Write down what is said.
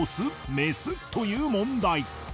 メス？という問題